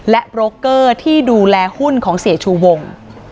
และโบรกเกอร์ที่ดูแลหุ้นของเสียชูวง